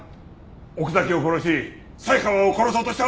奥崎を殺し才川を殺そうとした事！